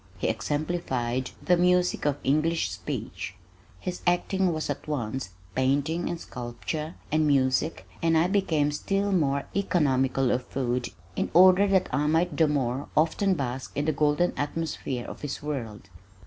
He exemplified the music of English speech. His acting was at once painting and sculpture and music and I became still more economical of food in order that I might the more often bask in the golden atmosphere of his world.